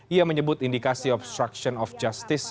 ia menyebut indikasi obstruction of justice